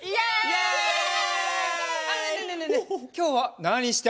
きょうはなにしてあそぶ？